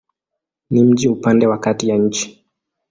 Ni mji upande wa kati ya nchi.